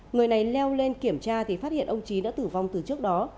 người này leo lên kiểm tra thì phát hiện ông trí đã tử vong từ trước đó